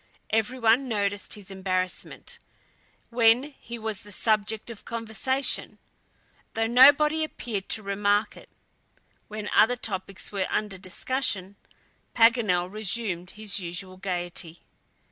Everyone noticed his embarrassment, when he was the subject of conversation, though nobody appeared to remark it; when other topics were under discussion, Paganel resumed his usual gayety.